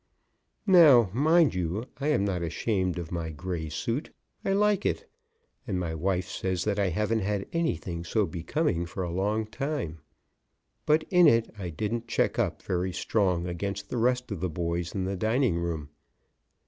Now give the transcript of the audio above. Now, mind you, I am not ashamed of my gray suit. I like it, and my wife says that I haven't had anything so becoming for a long time. But in it I didn't check up very strong against the rest of the boys in the dining room.